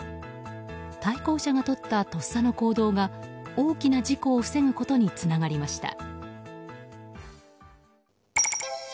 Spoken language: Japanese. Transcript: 対向車が取ったとっさの行動が大きな事故を防ぐことにつながりました。